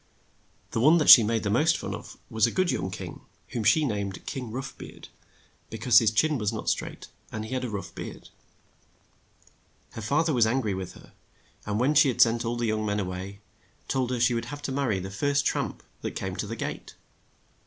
The one that she made the most fun of was a good young king, whom she named King Rough beard, be cause his chin was not straight, and he had a rough beard. Her fath er was an gry with her ; and when she sent the young men all a way, told her she should have to mar ry the 38 KING ROUGH BEARD the first tramp that came to the gate.